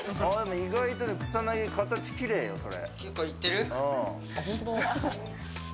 意外と草薙、形キレイよ、それ。